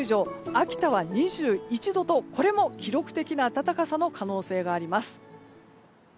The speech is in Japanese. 秋田は２１度とこれも記録的な暖かさの可能性があります。